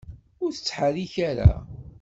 Ur ttḥerrik ara.